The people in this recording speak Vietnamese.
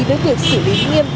với việc xử lý nghiêm